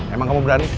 emang kamu berani